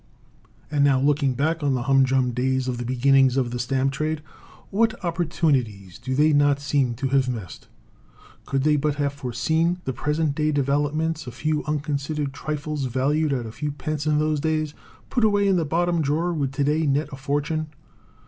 And now, looking back on the humdrum days of the beginnings of the stamp trade, what opportunities do they not seem to have missed! Could they but have foreseen the present day developments, a few unconsidered trifles, valued at a few pence in those days, put away in a bottom drawer, would to day net a fortune.